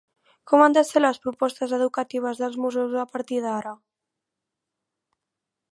Com han de ser les propostes educatives dels museus a partir d'ara?